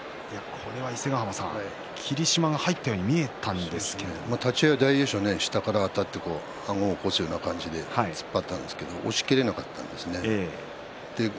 これは霧島が入ったように立ち合い大栄翔下からあたってあごを押すような形で突っ張ったんですけれども押しきれなかったんですよね。